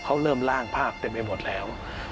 เขาเริ่มล่างภาพเต็มไปหมดแล้ว